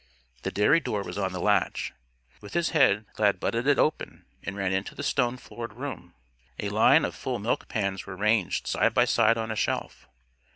The dairy door was on the latch. With his head Lad butted it open and ran into the stone floored room. A line of full milk pans were ranged side by side on a shelf.